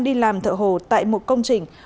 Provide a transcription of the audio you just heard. đi làm thợ hồ tại một công trình